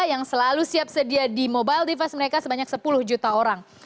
yang selalu siap sedia di mobile device mereka sebanyak sepuluh juta orang